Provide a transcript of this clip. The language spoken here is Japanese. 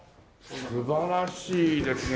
素晴らしいですね。